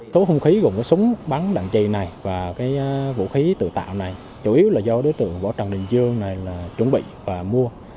số không khí gồm súng bắn đạn chi này và vũ khí tự tạo này chủ yếu là do đối tượng võ trần đình dương này chuẩn bị và mua